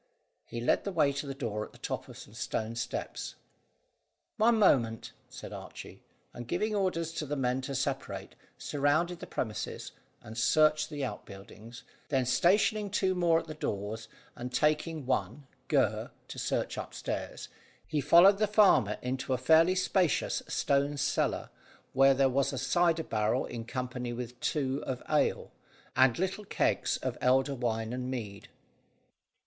He led the way to a door at the top of some stone steps. "One moment," said Archy, and, giving orders to the men to separate, surround the premises, and search the outbuildings, then stationing two more at the doors, and taking one, Gurr, to search upstairs, he followed the farmer into a fairly spacious stone cellar, where there was a cider barrel in company with two of ale, and little kegs of elder wine and mead.